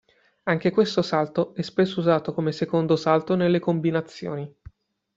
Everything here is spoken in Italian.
Anche questo salto è spesso usato come secondo salto nelle combinazioni.